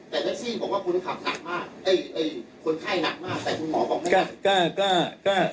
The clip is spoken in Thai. แต่แท็กซี่บอกว่าคนขับหนักมากคนไข้หนักมากแต่คุณหมอบอกไม่ได้